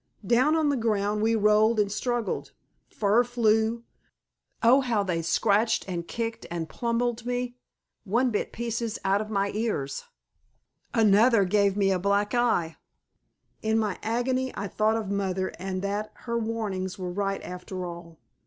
Down on the ground we rolled and struggled. Fur flew! Oh, how they scratched and kicked and pummeled me. One bit pieces out of my ears, another gave me a black eye. In my agony I thought of mother and that her warnings were right after all.